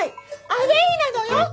アウェーなのよ？